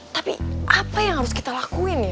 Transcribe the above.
tapi apa yang harus kita lakuin nih